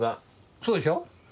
そうでしょ。